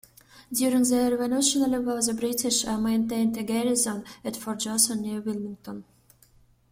During the Revolutionary War, the British maintained a garrison at Fort Johnson near Wilmington.